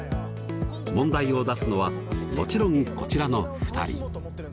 問題を出すのはもちろんこちらの２人。